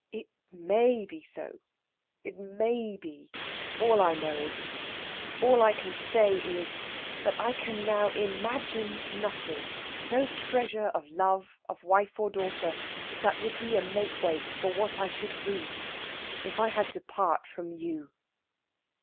It may be so it may be! All I know is all I can say is that I can now imagine nothing, no treasure of love of wife or daughter, that would be a make weight for what I should lose if I had to part from you."